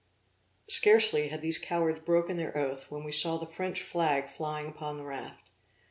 Scarcely had these cowards broken their oath, when we saw the French flag flying upon the raft.